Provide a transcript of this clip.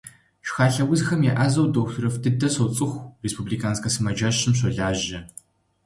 Шхалъэ узхэм еӏэзэу дохутырыфӏ дыдэ соцӏыху, республиканскэ сымаджэщым щолажьэ.